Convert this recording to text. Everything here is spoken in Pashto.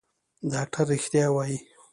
ډاکتر رښتيا وايي.